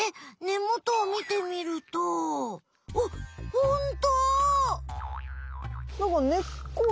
根もとをみてみるとあっほんとう！